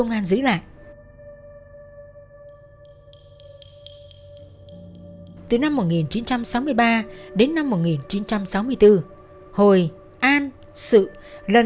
nhà lầu xe hơi nhiễm